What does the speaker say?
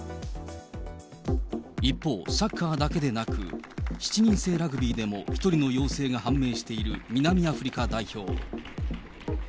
一方、サッカーだけでなく、７人制ラグビーでも１人の陽性が判明している南アフリカ代表。